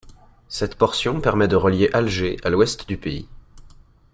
Cette portion permet de relier Alger à l'ouest du pays.